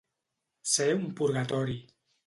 Ser un purgatori.